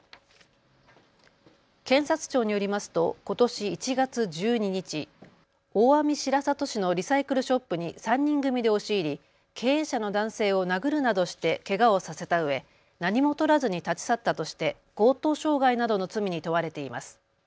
検察庁によりますとことし１月１２日、大網白里市のリサイクルショップに３人組で押し入り経営者の男性を殴るなどしてけがをさせたうえ何も取らずに立ち去ったとして強盗傷害などの罪に問われています。